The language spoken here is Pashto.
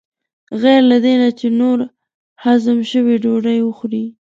غیر له دې نه چې نور هضم شوي ډوډۍ وخورې.